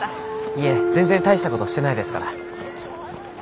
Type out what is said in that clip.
いえ全然大した事してないですから。